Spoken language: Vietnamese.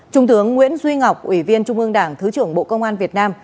trung tướng nguyễn duy ngọc ủy viên trung ương đảng thứ trưởng bộ công an việt nam